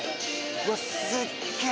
うわすっげえ。